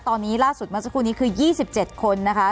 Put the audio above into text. ตอนนี้ล่าสุดเมื่อสักครู่นี้คือ๒๗คนนะคะ